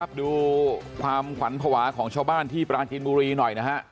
ดูความขวัญภาวะของชาวบ้านที่ปราจีนบุรีหน่อยนะฮะ